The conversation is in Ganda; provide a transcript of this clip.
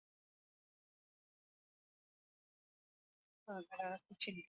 Olukiiko lutonzeewo ebifo ebirala bisatu.